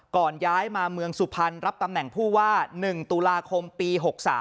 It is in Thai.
ย้ายมาเมืองสุพรรณรับตำแหน่งผู้ว่า๑ตุลาคมปี๖๓